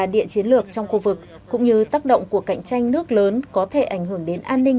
địa chiến lược trong khu vực cũng như tác động của cạnh tranh nước lớn có thể ảnh hưởng đến an ninh